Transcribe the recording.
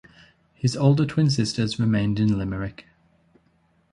His older twin sisters remained in Limerick.